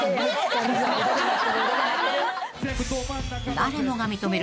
［誰もが認める］